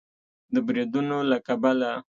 د بریدونو له کبله